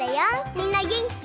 みんなげんき？